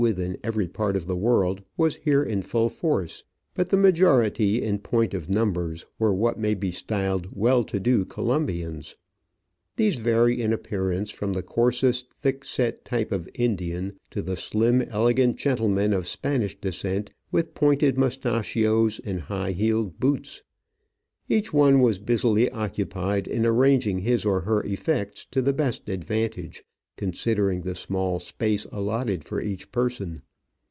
with in every part of the world was here in full : force, but the majority, in point of numbers, were what may be styled well to do Colombians, These vary in appearance from the coarse, thick set type of the Indian to the slim, elegant gentleman of Spanish descent, with pointed mustachios and high heeled boots. Each one was busily occupied in arranging his or her effects to the best advantage considering the small space allotted for each person.